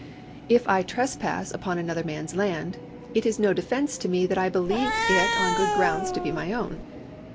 If I trespass upon another man's land, it is no defence to me that I believed it on good grounds to be my own.